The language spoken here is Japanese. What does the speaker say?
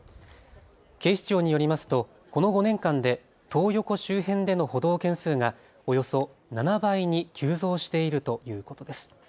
警視庁によりますとこの５年間でトー横周辺での補導件数がおよそ７倍に急増しているということです。